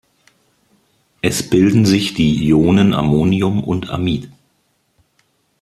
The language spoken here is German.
Es bilden sich die Ionen Ammonium und Amid.